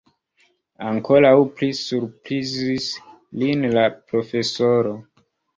Ankoraŭ pli surprizis lin la profesoro.